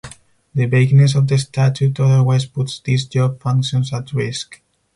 The vagueness of the statute otherwise puts these job functions at risk.